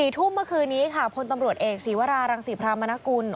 ๔ทุ่มเมื่อคืนนี้ค่ะพลตำรวจเอกศีวรารังศรีพรามนกุล